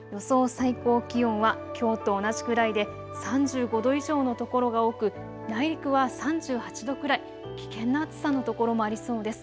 最高気温はきょうと同じくらいで３５度以上のところが多く内陸は３８度くらい、危険な暑さの所もありそうです。